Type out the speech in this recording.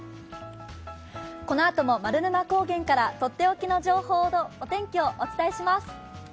このあとも丸沼高原からとっておきの情報をお伝えします。